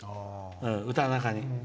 歌の中に。